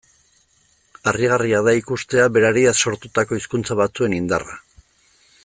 Harrigarria da ikustea berariaz sortutako hizkuntza batzuen indarra.